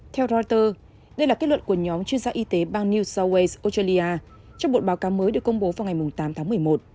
theo reuters đây là kết luận của nhóm chuyên gia y tế bang new south wales australia trong một báo cáo mới được công bố vào ngày tám tháng một mươi một